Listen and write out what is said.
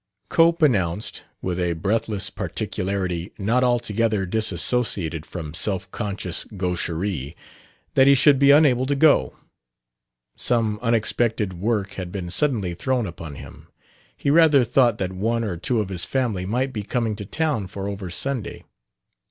Cope announced, with a breathless particularity not altogether disassociated from self conscious gaucherie, that he should be unable to go. Some unexpected work had been suddenly thrown upon him.... He rather thought that one or two of his family might be coming to town for over Sunday....